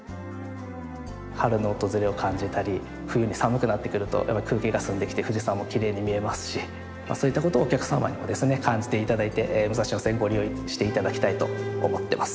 春の訪れを感じたり冬に寒くなってくるとやっぱり空気が澄んできて富士山もきれいに見えますしそういったことをお客様にもですね感じていただいて武蔵野線をご利用していただきたいと思ってます。